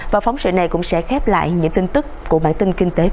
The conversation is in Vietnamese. và phóng sự này cũng sẽ khép lại những tin tức của bản tin kinh tế tuần